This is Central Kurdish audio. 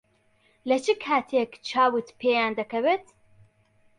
لە چ کاتێک چاوت پێیان دەکەوێت؟